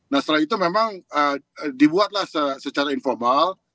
nah setelah itu memang dibuatlah secara informal